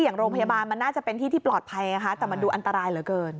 อย่างโรงพยาบาลมันน่าจะเป็นที่ที่ปลอดภัยนะคะแต่มันดูอันตรายเหลือเกิน